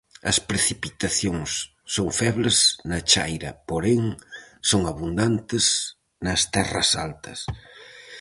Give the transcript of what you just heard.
As precipitacións son febles na chaira, porén, son abundantes nas terras altas.